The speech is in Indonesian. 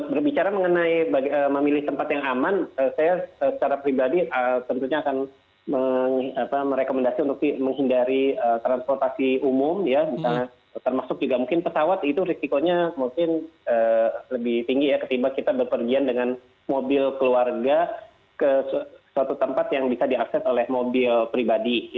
nah berbicara mengenai memilih tempat yang aman saya secara pribadi tentunya akan merekomendasi untuk menghindari transportasi umum termasuk juga mungkin pesawat itu risikonya mungkin lebih tinggi ketiba kita berpergian dengan mobil keluarga ke suatu tempat yang bisa diakses oleh mobil pribadi